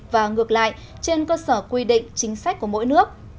và ngược lại trên cơ sở quy định chính sách của mỗi nước